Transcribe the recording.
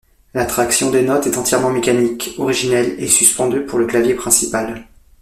La traction des notes est entièrement mécanique, originelle et suspendue pour le clavier principal.